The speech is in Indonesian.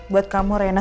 buat kamu rena